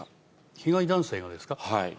被害男性がですか？